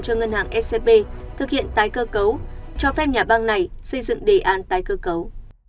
cho ngân hàng scb thực hiện tái cơ cấu cho phép nhà băng này xây dựng đề án tái cơ cấu